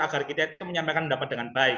agar kita itu menyampaikan pendapat dengan baik